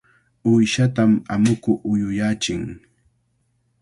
Uyshatam amuku uyuyachin.